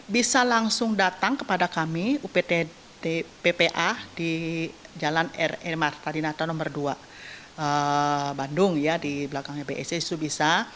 bisa langsung datang kepada kami uptd ppa di jalan r e marta di nata no dua bandung ya di belakangnya bse itu bisa